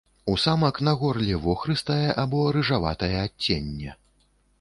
У самак на горле вохрыстае або рыжаватае адценне.